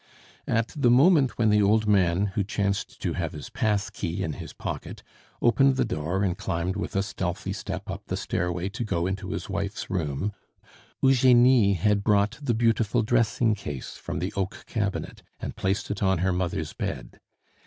At the moment when the old man, who chanced to have his pass key in his pocket, opened the door and climbed with a stealthy step up the stairway to go into his wife's room, Eugenie had brought the beautiful dressing case from the oak cabinet and placed it on her mother's bed.